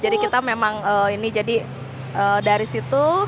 kita memang ini jadi dari situ